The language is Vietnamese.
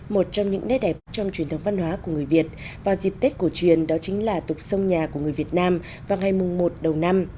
một trong những nét đẹp trong truyền thống văn hóa của người việt và dịp tết cổ truyền đó chính là tục sông nhà của người việt nam vào ngày mùng một đầu năm